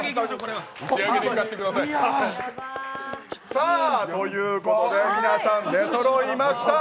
さあ、ということで皆さん出そろいました。